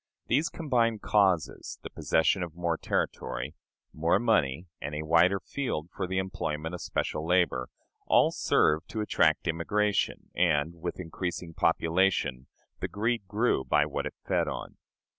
These combined causes the possession of more territory, more money, and a wider field for the employment of special labor all served to attract immigration; and, with increasing population, the greed grew by what it fed on.